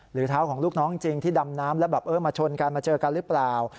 หรือเท้าของลูกน้องจริงที่ดำน้ำแล้วแบบเออมาชนกันมาเจอกันหรือเปล่า